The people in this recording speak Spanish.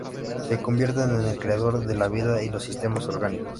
Se convierte en el creador de la vida y los sistemas orgánicos.